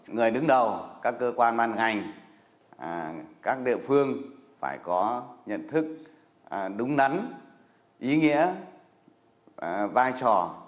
người đứng đầu các cơ quan ban ngành các địa phương phải có nhận thức đúng nắn ý nghĩa vai trò